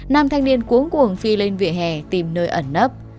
nam thanh niên cuốn cuồng phi lên vỉa hè tìm nơi ẩn nấp